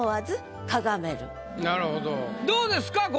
どうですか？